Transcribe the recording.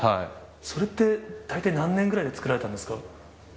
それって、大体何年ぐらいで作られたんですか？